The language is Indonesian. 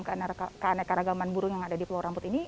keanekaragaman burung yang ada di pulau rambut ini